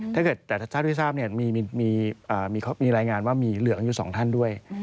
ถ้าท่านไม่ทราบมีรายงานว่ามีเหลือกันอยู่๒ท่านด้วย